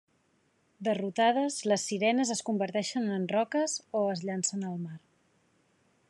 Derrotades, les sirenes es converteixen en roques o es llancen al mar.